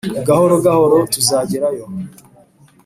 Gahoro gahoro tuzagerayo